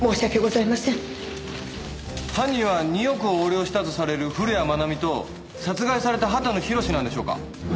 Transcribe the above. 犯人は２億を横領したとされる古谷愛美と殺害された畑野宏なんでしょうか？